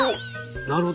なるほど。